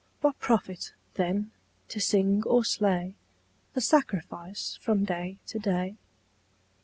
What profit, then, to sing or slay The sacrifice from day to day?